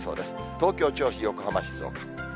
東京、銚子、横浜、静岡。